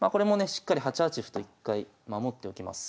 しっかり８八歩と一回守っておきます。